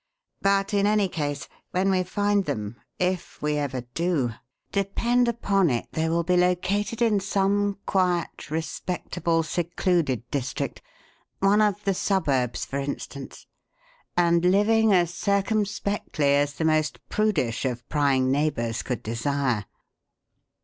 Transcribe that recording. But in any case, when we find them if we ever do depend upon it they will be located in some quiet, respectable, secluded district, one of the suburbs, for instance, and living as circumspectly as the most prudish of prying neighbours could desire.